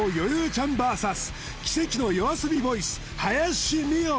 ちゃんＶＳ奇跡のＹＯＡＳＯＢＩボイスはやしみお